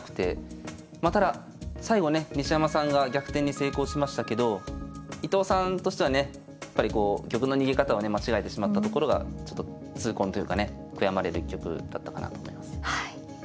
ただ最後ね西山さんが逆転に成功しましたけど伊藤さんとしてはねやっぱりこう玉の逃げ方をね間違えてしまったところがちょっと痛恨というかね悔やまれる一局だったかなと思います。